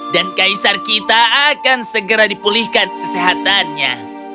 dan kaisar kita akan segera dipulihkan kesehatannya